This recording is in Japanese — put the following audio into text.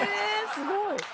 すごい！